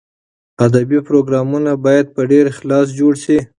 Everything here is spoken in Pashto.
ادبي پروګرامونه باید په ډېر اخلاص جوړ شي.